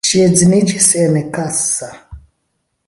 Ŝi edziniĝis en Kassa.